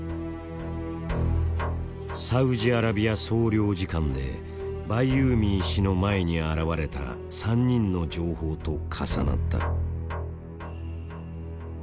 サウジアラビア総領事館でバイユーミー氏の前に現れた３人の情報と重なった。